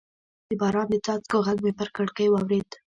د باران د څاڅکو غږ مې پر کړکۍ واورېد.